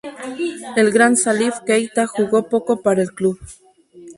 El gran Salif Keita jugó poco para el club.